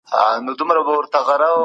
ماشومان له ډېر پخوا څخه پوښتني مطرح کوي.